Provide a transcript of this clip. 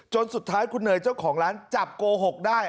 สุดท้ายคุณเนยเจ้าของร้านจับโกหกได้